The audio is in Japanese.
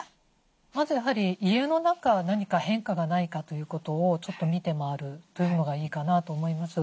まずやはり家の中何か変化がないかということをちょっと見て回るというのがいいかなと思います。